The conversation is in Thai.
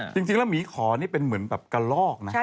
จริงแล้วหมีขอนี่เป็นเหมือนแบบกระลอกนะ